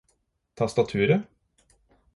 tastaturet